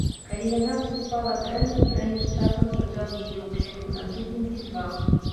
Калі яна выступала дрэнна, трэнер часам саджаў яе ў клетку на тыдзень ці два.